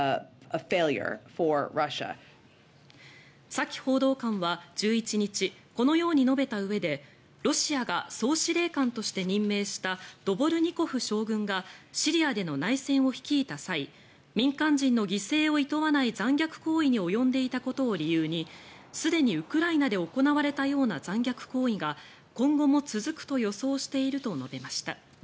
サキ報道官は１１日このように述べたうえでロシアが総司令官として任命したドボルニコフ将軍がシリアでの内戦を率いた際民間人の犠牲をいとわない残虐な行為に及んでいたことを理由にすでにウクライナで行われたような残虐行為が今後も続くと予想していると述べました。